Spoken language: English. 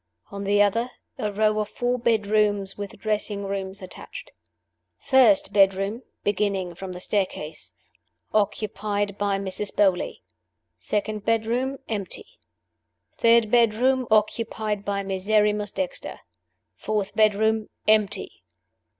On the other, a row of four bedrooms, with dressing rooms attached. First bedroom (beginning from the staircase), occupied by Mrs. Beauly. Second bedroom, empty. Third bedroom, occupied by Miserrimus Dexter. Fourth bedroom, empty.